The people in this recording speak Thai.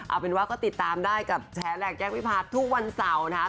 เอาเป็นว่าก็ติดตามได้กับแชร์แรกแจ้งวิพาททุกวันเสาร์นะครับ